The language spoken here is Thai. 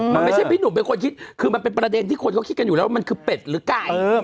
มันไม่ใช่พี่หนุ่มเป็นคนคิดคือมันเป็นประเด็นที่คนเขาคิดกันอยู่แล้วว่ามันคือเป็ดหรือไก่